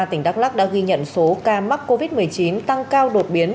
tỉnh đắk lắc đã ghi nhận số ca mắc covid một mươi chín tăng cao đột biến